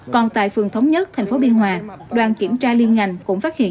còn tại phường thống nhất tp biên hòa đoàn kiểm tra liên ngành cũng phát hiện